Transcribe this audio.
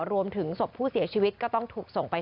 รวมถึงศพผู้เสียชีวิตก็ต้องถูกส่งไป